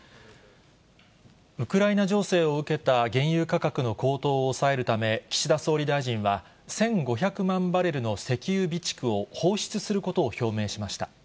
ウクライナ情勢を受けた原油価格の高騰を抑えるため、岸田総理大臣は、１５００万バレルの石油備蓄を放出することを表明しました。